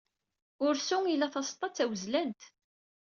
Ursu ila taseḍḍa d tawezlant.